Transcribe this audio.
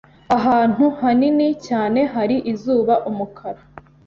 ahantu hanini cyane hari izuba umukara